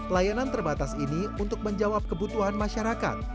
layanan terbatas ini untuk menjawab kebutuhan masyarakat